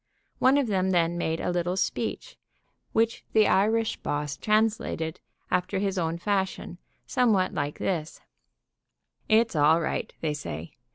One of them then made a little speech, which the Irish boss translated after his own fashion, somewhat like this: "It's all right, they say.